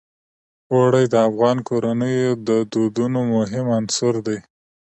اوړي د افغان کورنیو د دودونو مهم عنصر دی.